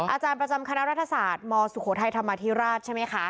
อาจารย์ประจำคณะรัฐศาสตร์มสุโขทัยธรรมาธิราชใช่ไหมคะ